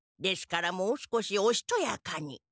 ですからもう少しおしとやかに。